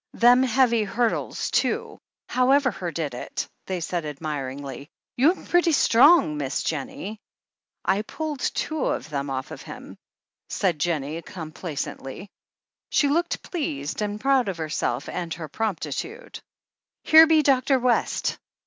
"Them heavy hurdles, too! However her did it!" they said admiringly. "You'm pretty strong like. Miss ennie. "I pulled two of them off him," said Jennie com placently. She looked pleased, and proud of herself and her promptitude. "Here be Dr. West